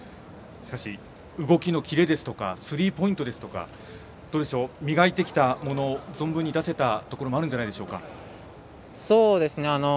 しかし、動きのキレですとかスリーポイントですとか磨いてきたものを存分に出せたものもあるんじゃないでしょうか。